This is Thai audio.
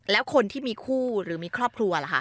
แล้วคนที่มีคู่หรือมีครอบครัวล่ะคะ